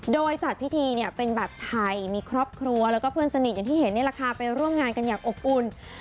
โดยจัดพิธีเนี่ยเป็นแบบไทยมีครอบครัวแล้วก็เพื่อนสนิทอย่างที่เห็นนี่แหละค่ะไปร่วมงานกันอย่างอบอุ่น